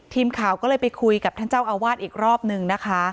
ทีมข่าวก็เลยไปคุยกับท่านเจ้าอาวาสอีกรอบนึงนะคะ